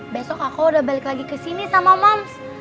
besok aku udah balik lagi ke sini sama moms